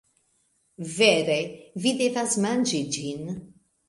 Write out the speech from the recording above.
Vere vi devas manĝi ĝin.